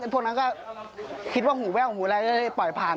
พวกนั้นก็คิดว่าหูแว้วหูแร้ปล่อยผ่าน